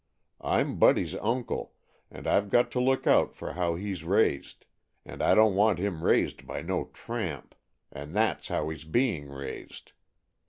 I'm Buddy's uncle, and I've got to look out for how he's raised, and I don't want him raised by no tramp, and that's how he's being raised.